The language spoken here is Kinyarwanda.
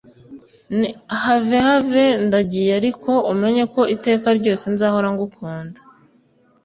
n have have ndagiye ariko umenye ko iteka ryose nzahora ngukunda